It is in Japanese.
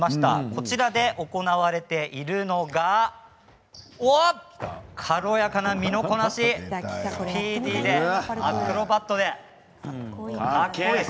こちらで行われているのが軽やかな身のこなしアクロバットでかっこいい。